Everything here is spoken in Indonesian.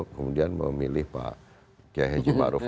kemudian memilih pak kiai heji maruf